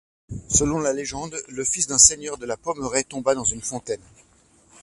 Selon la légende, le fils d'un seigneur de la Pommeraie tomba dans une fontaine.